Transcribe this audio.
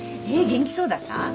元気そうだった？